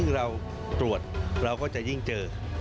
ซึ่งเราตรวจเราก็จะยิ่งเจอ